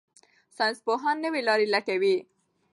ساينسپوهان نوې لارې لټوي.